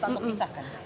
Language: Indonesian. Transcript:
ketakutan untuk pisah kan